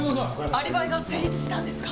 アリバイが成立したんですか？